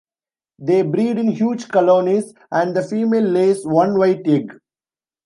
They breed in huge colonies and the female lays one white egg.